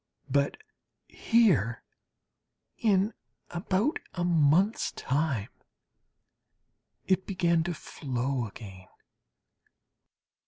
But here, in about a month's time, it began to flow again.